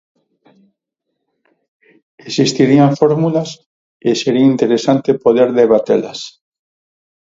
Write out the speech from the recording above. Existirían fórmulas e sería interesante poder debatelas.